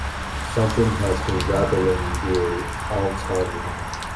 Something has been rattling there all time long.